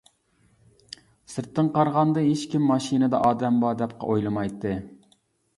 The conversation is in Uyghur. سىرتتىن قارىغاندا، ھېچكىم ماشىنىدا ئادەم بار دەپ ئويلىمايتتى.